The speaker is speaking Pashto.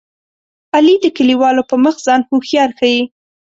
علي د کلیوالو په مخ ځان هوښیار ښيي.